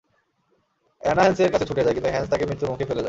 Anna হ্যান্সের কাছে ছুটে যায়, কিন্তু হ্যান্স তাকে মৃত্যুর মুখে ফেলে যায়।